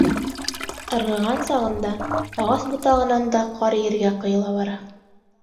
Ырғыған сағында, ағас ботағынан да ҡар ергә ҡойола бара.